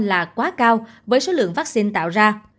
là quá cao với số lượng vaccine tạo ra